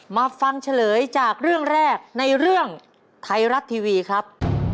มาฟังเฉลยจากเรื่องแรกในเรื่องไทยรัฐทีวีครับ